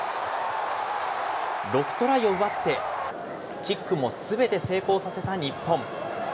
６トライを奪って、キックもすべて成功させた日本。